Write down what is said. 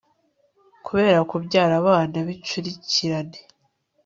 kubera kubyara abana bincurikirane